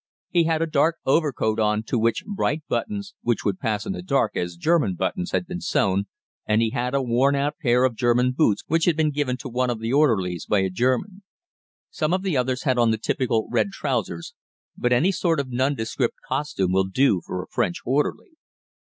He had a dark overcoat on to which bright buttons, which would pass in the dark as German buttons, had been sewn, and he had a worn out pair of German boots which had been given to one of the orderlies by a German. Some of the others had on the typical red trousers but any sort of nondescript costume will do for a French orderly.